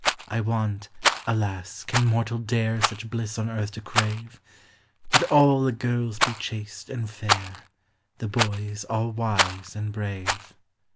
I want (alas ! can mortal dare Such bliss on earth to crave ?) That all the girls be chaste and fair, The boys all wise and brave.